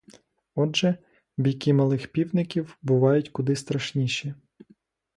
Отже, бійки малих півників бувають куди страшніші.